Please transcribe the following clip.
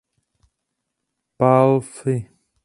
Pálffy.